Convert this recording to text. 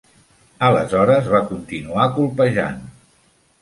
Aleshores, va continuar colpejant.